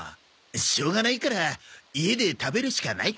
しょうがないから家で食べるしかないかな。